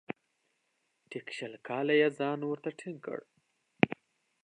ټیک شل کاله یې ځان ورته ټینګ کړ .